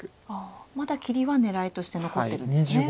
まだ切りは狙いとして残ってるんですね。